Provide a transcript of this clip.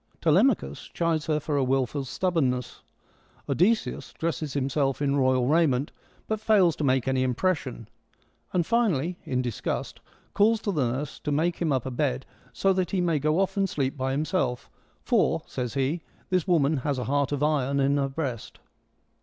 Telemachus eludes her for her wilful stubbornness : Odysseus dresses himself in royal raiment, but fails to make any impression, and finally, in disgust, calls to the nurse to make him up a bed so that he may go off and sleep by himself, for, says he, this woman has a heart of iron in her breast.